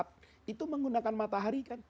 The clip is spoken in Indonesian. terbitnya fajar sholat itu menggunakan matahari kan